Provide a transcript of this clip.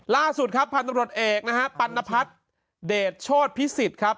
ล่าสุดครับพันธุรกิจเอกนะฮะปัณพัฒน์เดชโชธพิสิทธิ์ครับ